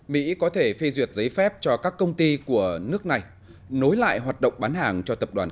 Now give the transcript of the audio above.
mỹ có thể phê duyệt giấy phép cho các công ty của nước này nối lại hoạt động bán hàng cho tập đoàn